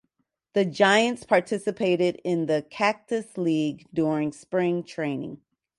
The Giants participated in the Cactus League during spring training.